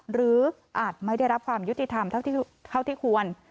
อาจไม่ได้รับความยุติธรรมเท่าที่ควร